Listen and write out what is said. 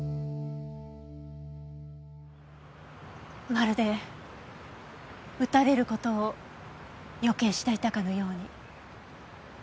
まるで撃たれる事を予見していたかのように。